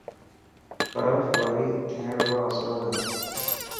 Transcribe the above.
برف باري ٿيڻ رو آسرو هي.